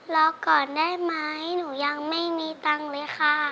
รอก่อนได้ไหมหนูยังไม่มีตังค์เลยค่ะ